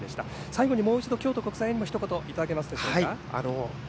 最後にもう一度京都国際へのひと言をいただけますでしょうか。